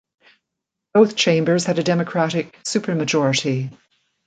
Both chambers had a Democratic supermajority.